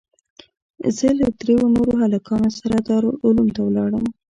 زه له درېو نورو هلکانو سره دارالعلوم ته ولاړم.